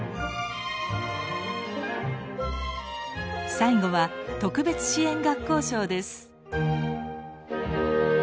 最後は特別支援学校賞です。